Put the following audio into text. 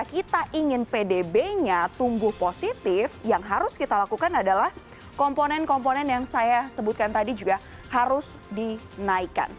kita ingin pdb nya tumbuh positif yang harus kita lakukan adalah komponen komponen yang saya sebutkan tadi juga harus dinaikkan